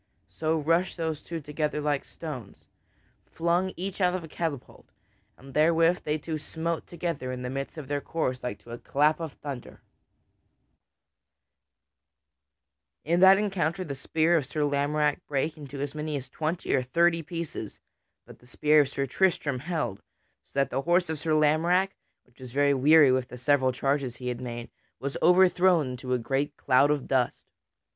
So rushed those two together like two stones, flung each out of a catapult; and therewith they two smote together in the midst of their course like to a clap of thunder. [Sidenote: Sir Tristram overthrows Sir Lamorack] In that encounter the spear of Sir Lamorack brake into as many as twenty or thirty pieces; but the spear of Sir Tristram held, so that the horse of Sir Lamorack, which was weary with the several charges he had made, was overthrown into a great cloud of dust.